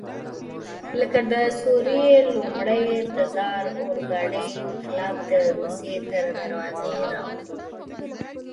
لکه د روسیې لومړي تزار اورګاډی انقلاب د روسیې تر دروازو راوړي.